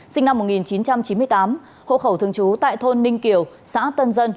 sinh năm một nghìn chín trăm chín mươi tám hộ khẩu thường trú tại thôn ninh kiều xã tân dân